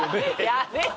やめて！